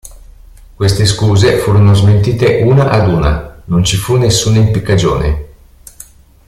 Queste scuse furono smentite una ad una: non ci fu nessuna impiccagione.